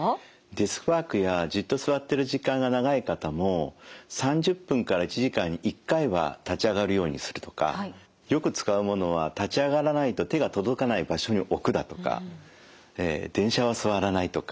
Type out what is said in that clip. デスクワークやじっと座ってる時間が長い方も３０分から１時間に１回は立ち上がるようにするとかよく使うものは立ち上がらないと手が届かない場所に置くだとか電車は座らないとか